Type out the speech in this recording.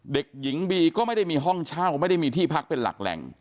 เด็กหญิงบีก็ไม่ได้มีห้องเช่าไม่ได้มีที่พักเป็นหลักแหล่ง